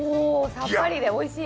さっぱりでおいしい。